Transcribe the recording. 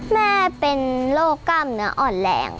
แม่เป็นโรคกล้ามเนื้ออ่อนแรง